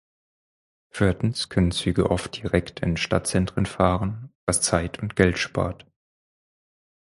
Viertens können Züge oft direkt in Stadtzentren fahren, was Zeit und Geld spart.